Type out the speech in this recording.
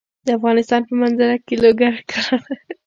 د افغانستان په منظره کې لوگر ښکاره ده.